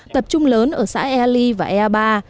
tập trung lớn ở xã ea ly và ea ba